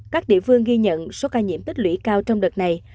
các địa phương ghi nhận số ca nhiễm tích lũy cao trong đợt này